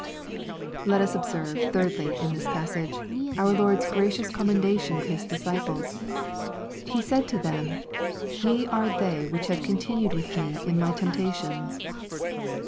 Let us observe, thirdly, in this passage, our LoriTa gracioTis commendation of His disciples. He said to them, "Ye are they which have continued with me in my temptations."